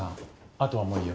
あとはもういいよ